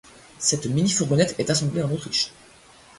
Cette mini-fourgonnette est assemblée en Autriche.